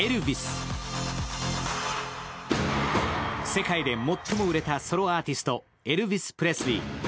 世界で最も売れたソロアーティスト、エルヴィス・プレスリー。